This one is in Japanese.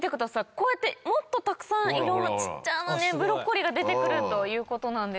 こうやってもっとたくさんいろんな小っちゃなブロッコリーが出て来るということなんです。